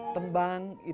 tembang dan kawi